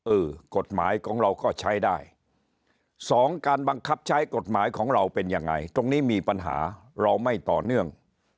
เออกฎหมายของเราก็ใช้ได้สองการบังคับใช้กฎหมายของเราเป็นยังไงตรงนี้มีปัญหาเราไม่ต่อเนื่อง